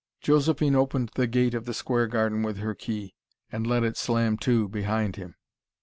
Josephine opened the gate of the square garden with her key, and let it slam to behind him.